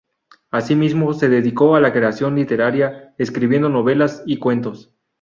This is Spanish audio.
Asimismo, se dedicó a la creación literaria, escribiendo novelas y cuentos.